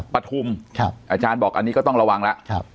ปฐุมอาจารย์บอกอันนี้ก็ต้องระวังแล้ว